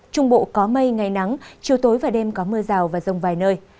trung bộ có mây ngày nắng chiều tối và đêm có mưa rào và rông vài nơi